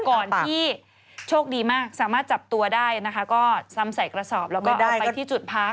ก่อนที่โชคดีมากสามารถจับตัวได้นะคะก็ซ้ำใส่กระสอบแล้วก็เอาไปที่จุดพัก